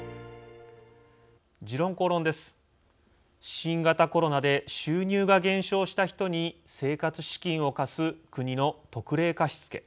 新型コロナで収入が減少した人に生活資金を貸す、国の特例貸付。